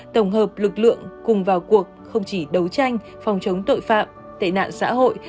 tổng hợp lực lượng cùng vào cuộc không chỉ đấu tranh phòng chống tội phạm tệ nạn xã hội